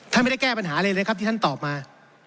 ท่านไม่ได้แก้ปัญหาอะไรเลยครับที่ท่านตอบมา